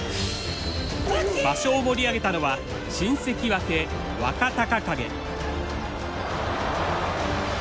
場所を盛り上げたのは新関脇若隆景。